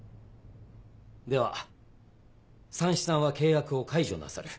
ではさんしさんは契約を解除なさる。